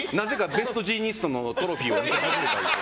ベストジーニストのトロフィー見せたりとか。